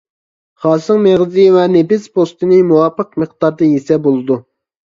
خاسىڭ مېغىزى ۋە نېپىز پوستىنى مۇۋاپىق مىقداردا يېسە بولىدۇ.